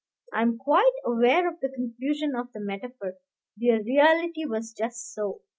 I am quite aware of the confusion of the metaphor; the reality was just so.